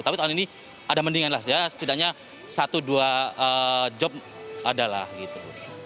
tapi tahun ini ada mendingan lah setidaknya satu dua job adalah gitu